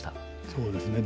そうですね。